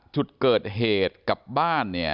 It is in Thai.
จุดเกิดเหตุกลับบ้าน